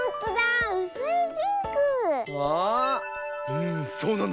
うんそうなんだね。